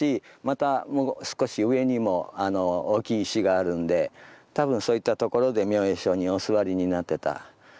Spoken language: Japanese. またもう少し上にもあの大きい石があるんで多分そういったところで明恵上人お坐りになってた。